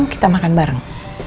kita makan bareng